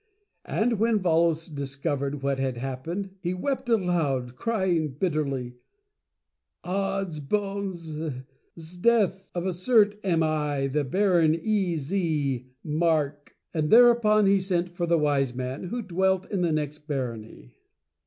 And when Volos discovered what had happened he wept aloud, crying bitterly, "Odds bones ; S'death — of a cert am I the Baron E. Z. Mark." 82 Mental Fascination And thereupon he sent for the Wise Man who dwelt in the next barony.